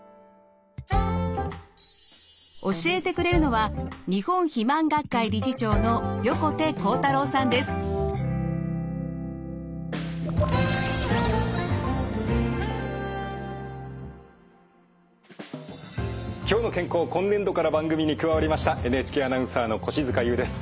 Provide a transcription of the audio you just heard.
教えてくれるのは「きょうの健康」今年度から番組に加わりましたＮＨＫアナウンサーの越塚優です。